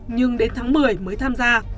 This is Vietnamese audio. nhưng đến tháng một mươi mới tham gia